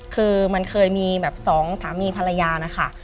คือมันเคยมีแบบสองสามีภรรยานะคะ